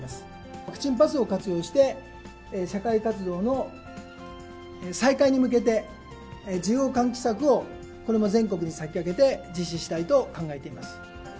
ワクチンパスを活用して、社会活動の再開に向けて、需要喚起策を、これも全国に先駆けて、実施したいと考えています。